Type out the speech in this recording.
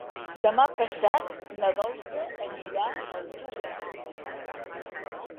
Demà passat na Dolça anirà a Altura.